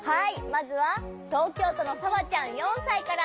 まずはとうきょうとのさわちゃん４さいから。